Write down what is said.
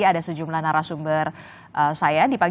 jadi ada sejumlah narasumber saya